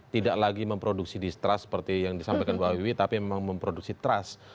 tidak lagi memproduksi distrust seperti yang disampaikan mbak wiwi tapi memang memproduksi trust